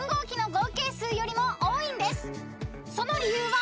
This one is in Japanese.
［その理由は］